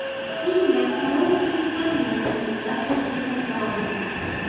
Фільм як кароткі ўспамін пра дзіцячую псіхатраўму.